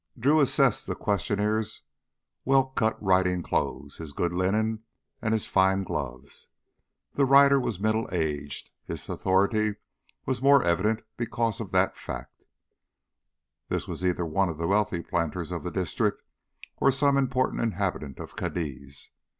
Drew assessed the questioner's well cut riding clothes, his good linen, and fine gloves. The rider was middle aged, his authority more evident because of that fact. This was either one of the wealthy planters of the district or some important inhabitant of Cadiz.